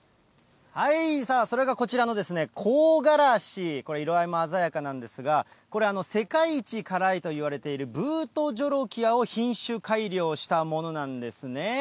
それがこちらの香辛子、これ、色合いも鮮やかなんですが、これ、世界一辛いといわれているブートジョロキアを品種改良したものなんですね。